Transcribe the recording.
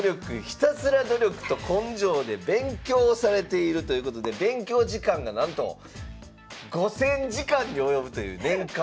ひたすら努力と根性で勉強されているということで勉強時間がなんと５，０００時間に及ぶという年間。